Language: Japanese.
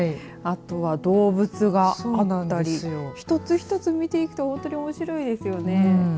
動物があったり一つ一つ見ていくと本当におもしろいですよね。